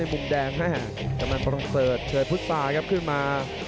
มุมแดงประสงค์เซิร์ชเชิญพุทธศาสนครับขึ้นมา